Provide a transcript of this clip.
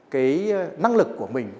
cái năng lực của mình